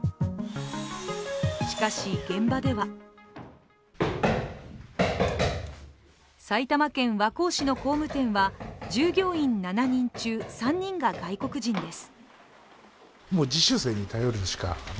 しかし、現場では埼玉県和光市の工務店は従業員７人中３人が外国人です。